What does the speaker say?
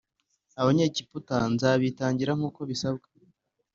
Abanyegiputa nzabitangira nkuko bisabwa